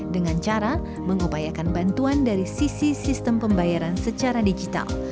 dengan cara mengupayakan bantuan dari sisi sistem pembayaran secara digital